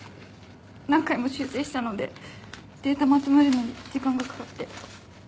何回も修正したのでデータまとめるのに時間がかかって。